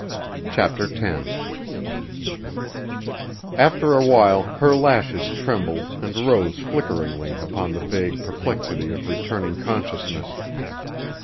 CHAPTER X After awhile her lashes trembled and rose flickeringly upon the vague perplexity of returning consciousness.